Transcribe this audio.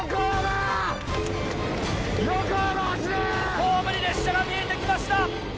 ホームに列車が見えてきました。